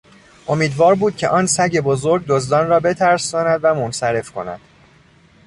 امیدوار بود که آن سگ بزرگ دزدان را بترساند و منصرف کند.